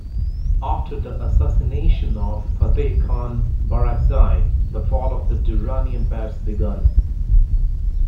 After the assassination of Fateh Khan Barakzai the fall of the Durrani Empires begun.